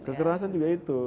kekerasan juga itu